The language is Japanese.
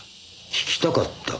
聞きたかった？